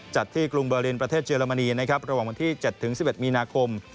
จัดที่กรุงเบอร์ลินประเทศเยอรมนีนะครับระหว่างวันที่๗๑๑มีนาคม